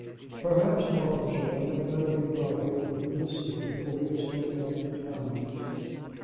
"Perhaps Popenjoy had better be brought here for you to see before he is taken up to town."